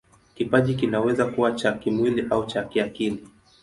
Kipaji kinaweza kuwa cha kimwili au cha kiakili.